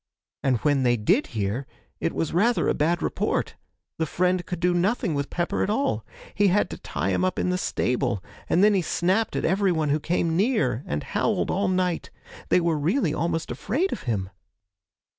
And, when they did hear, it was rather a bad report: the friend could do nothing with Pepper at all; he had to tie him up in the stable, and then he snapped at everyone who came near, and howled all night they were really almost afraid of him.